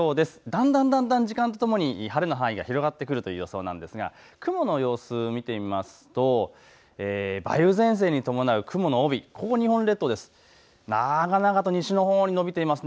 だんだん、だんだん時間とともに晴れの範囲が広がってくる予想ですが、雲の様子を見てみると梅雨前線に伴う雲の帯、長々と西のほうに延びています。